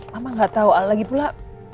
ma ma gak tau lagi pula